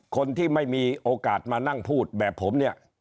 คนที่ไม่มีโอกาสมานั่งพูดแบบผมเนี่ย